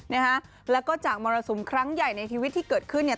นะฮะแล้วก็จากมรสุมครั้งใหญ่ในชีวิตที่เกิดขึ้นเนี่ย